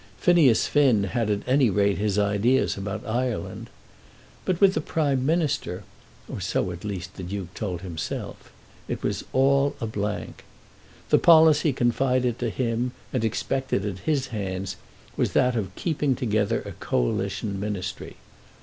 Phineas Finn had at any rate his ideas about Ireland. But with the Prime Minister, so at least the Duke told himself, it was all a blank. The policy confided to him and expected at his hands was that of keeping together a Coalition Ministry.